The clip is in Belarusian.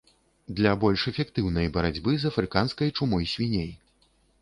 Для больш эфектыўнай барацьбы з афрыканскай чумой свіней.